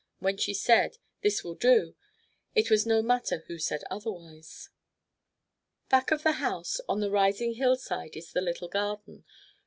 When she said, "This will do," it was no matter who said otherwise. Back of the house on the rising hillside is the little garden.